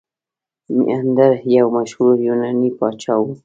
میناندر یو مشهور یوناني پاچا و